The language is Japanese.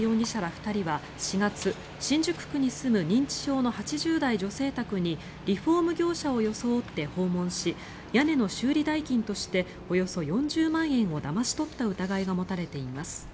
２人は４月新宿区に住む認知症の８０代女性宅にリフォーム業者を装って訪問し屋根の修理代金としておよそ４０万円をだまし取った疑いが持たれています。